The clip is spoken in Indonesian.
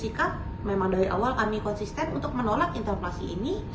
sikap memang dari awal kami konsisten untuk menolak interpelasi ini